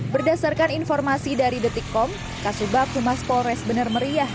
berdasarkan informasi dari detikkom kasubag humas polres bener meriah